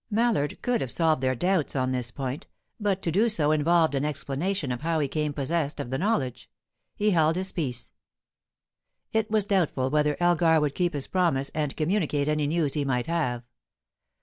Mallard could have solved their doubts on this point, but to do so involved an explanation of how he came possessed of the knowledge; he held his peace. It was doubtful whether Elgar would keep his promise and communicate any news he might have.